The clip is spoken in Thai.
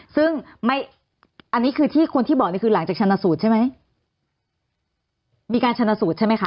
ซึ่งไม่อันนี้คือที่คนที่บอกนี่คือหลังจากชนะสูตรใช่ไหมมีการชนะสูตรใช่ไหมคะ